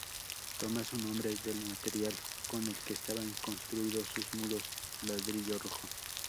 Toma su nombre del material con el que estaban construidos sus muros, ladrillo rojo.